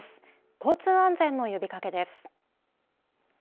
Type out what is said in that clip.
交通安全の呼びかけです。